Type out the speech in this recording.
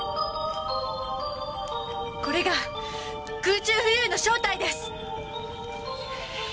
これが空中浮遊の正体です！